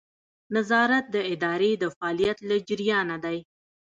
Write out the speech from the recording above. نظارت د ادارې د فعالیت له جریانه دی.